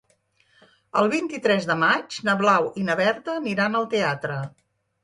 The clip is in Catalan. El vint-i-tres de maig na Blau i na Berta aniran al teatre.